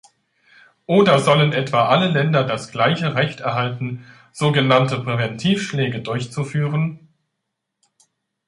Oder sollen etwa alle Länder das gleiche Recht erhalten, so genannte Präventivschläge durchzuführen?